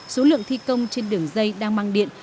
số lượng thi công trên đường dây đang mang điện